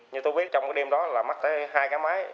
như tôi biết trong cái đêm đó là mất hai cái máy